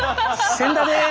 千田です。